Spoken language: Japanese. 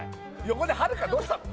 横ではるかどうしたの？